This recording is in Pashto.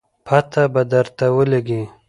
پته به درته ولګي